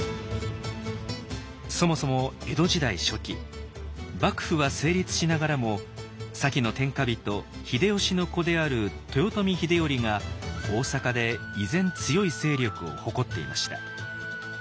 そもそも江戸時代初期幕府は成立しながらも先の天下人秀吉の子である豊臣秀頼が大坂で依然強い勢力を誇っていました。